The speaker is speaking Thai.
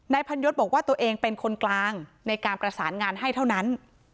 พันยศบอกว่าตัวเองเป็นคนกลางในการประสานงานให้เท่านั้น